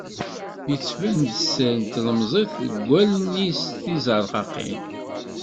Yettban-d sser n tlemẓit deg wallen-is tizerqaqin.